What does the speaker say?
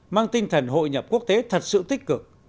mang tinh thần hội nhập quốc tế thật sự tích cực